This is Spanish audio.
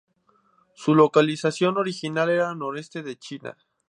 Su localización original era el noreste de China.